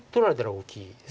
大きいです。